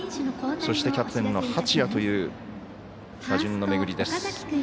そしてキャプテンの八谷という打順の巡りです。